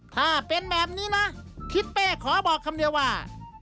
ถ้าเป็นแบบนี้นะทิศเป้ขอบอกคำเดียวว่า